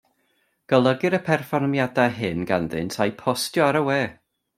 Golygir y perfformiadau hyn ganddynt a'u postio ar y we.